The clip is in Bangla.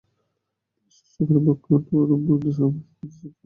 বাংলাদেশ সরকারের পক্ষে অটোয়ার বাংলাদেশ হাইকমিশন তার প্রতি শ্রদ্ধা জ্ঞাপন করে।